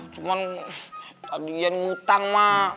cuman tadi ian utang mak